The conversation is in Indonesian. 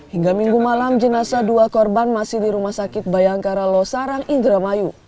hingga minggu malam jenasa dua korban masih di rumah sakit bayangkara losarang indramayu